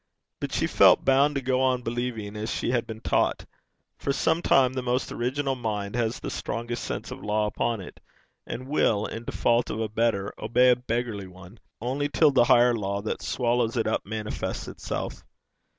But she felt bound to go on believing as she had been taught; for sometimes the most original mind has the strongest sense of law upon it, and will, in default of a better, obey a beggarly one only till the higher law that swallows it up manifests itself.